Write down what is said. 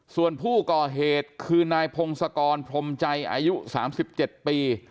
ส่วนผู้ก่อเหตุคือนายพงศกรพรมใจอายุ๓๗ปี